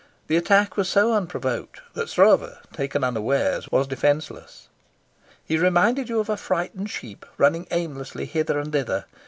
The attack was so unprovoked that Stroeve, taken unawares, was defenceless. He reminded you of a frightened sheep running aimlessly hither and thither.